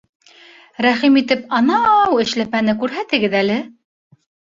Рәхим итеп анау эшләпәне күрһәтегеҙ әле